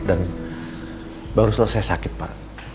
dan baru selesai sakit pak